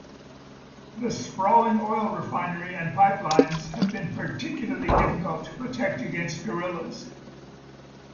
The sprawling oil refinery and pipelines have been particularly difficult to protect against guerrillas.